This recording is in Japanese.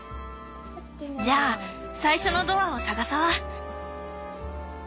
じゃあ最初のドアを探そう。